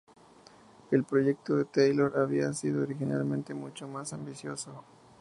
El proyecto de Taylor había sido originalmente mucho más ambicioso.